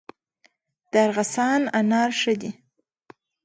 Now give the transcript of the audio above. د ارغستان انار ښه دي